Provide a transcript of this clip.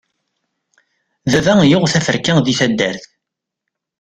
Baba yuɣ teferka di taddart.